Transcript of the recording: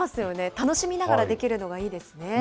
楽しみながらできるのがいいですね。